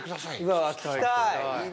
うわあ聴きたい！